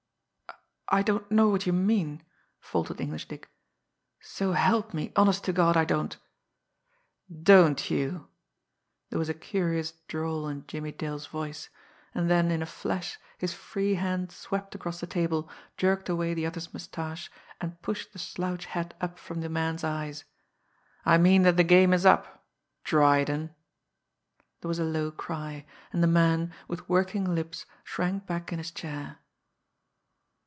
"I don't know what you mean," faltered English Dick. "So help me, honest to God, I don't!" "Don't you!" There was a curious drawl in Jimmie Dale's voice and then in a flash his free hand swept across the table, jerked away the other's moustache, and pushed the slouch hat up from the man's eyes. "I mean that the game is up Dryden." There was a low cry; and the man, with working lips, shrank back in his chair.